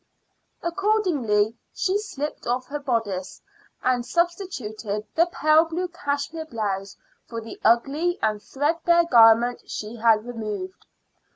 Accordingly she slipped off her bodice, and substituted the pale blue cashmere blouse for the ugly and threadbare garment she had removed.